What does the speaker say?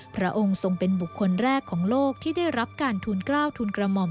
พระองค์ทรงเป็นบุคคลแรกของโลกที่ได้รับการทูลกล้าวทุนกระหม่อม